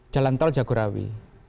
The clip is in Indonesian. jalan tol jagorawi